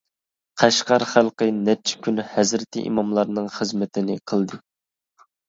قەشقەر خەلقى نەچچە كۈن ھەزرىتى ئىماملارنىڭ خىزمىتىنى قىلدى.